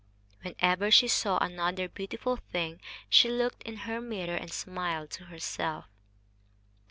Whenever she saw another beautiful thing she looked in her mirror and smiled to herself.